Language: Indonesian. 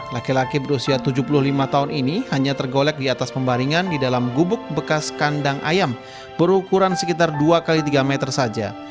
laki laki berusia tujuh puluh lima tahun ini hanya tergolek di atas pembaringan di dalam gubuk bekas kandang ayam berukuran sekitar dua x tiga meter saja